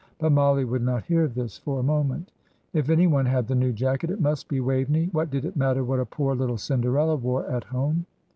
But Mollie would not hear of this for a moment: if any one had the new jacket, it must be Waveney. What did it matter what a poor, little Cinderella wore at home?